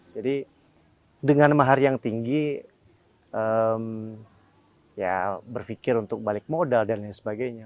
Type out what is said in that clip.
jadi dengan mahar yang tinggi ya berpikir untuk balik modal dan lain sebagainya